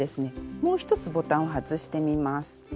もう一つボタンを外してみます。